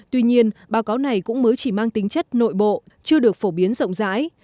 tuy nhiên báo cáo này cũng mới chỉ mang tính chất nội bộ chưa được phổ biến rộng rãi